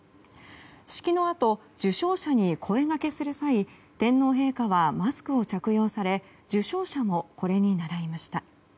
式のあと、受章者に声がけする際天皇陛下はマスクを着用され受章者もこれにならいました。